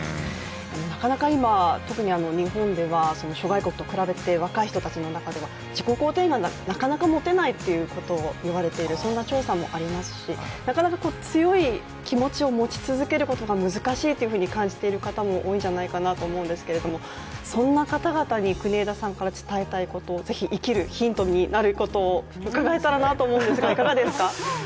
なかなか今、特に日本では諸外国と比べて若い人たちの中では、自己肯定感がなかなか持てないということがいわれているそんな調査もありますしなかなか強い気持ちを持ち続けることが難しいと感じている方も多いんじゃないかなと思うんですけど、そんな方々に国枝さんから伝えたいことぜひ、生きるヒントになることをうかがえたらなと思うんですがいかがですか。